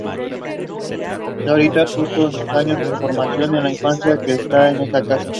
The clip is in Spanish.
Dorothy pasó sus años de formación y la infancia de en esta casa.